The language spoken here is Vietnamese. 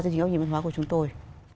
chương trình góc nhìn văn hóa của chúng tôi